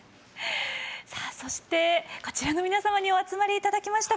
さあそしてこちらの皆様にお集まり頂きました。